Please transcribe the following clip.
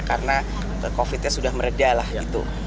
karena covidnya sudah meredah lah gitu